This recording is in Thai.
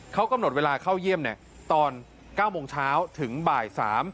เขากำหนดเวลาเข้าเยี่ยมตอน๙โมงเช้าถึงบ่าย๓